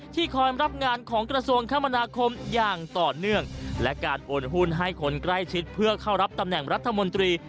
คอยรับงานของกระทรวงคมนาคมอย่างต่อเนื่องและการโอนหุ้นให้คนใกล้ชิดเพื่อเข้ารับตำแหน่งรัฐมนตรี